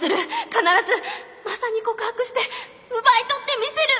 必ずマサに告白して奪い取ってみせる！